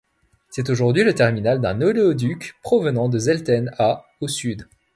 C'est aujourd'hui le terminal d'un oléoduc provenant de Zelten à au sud.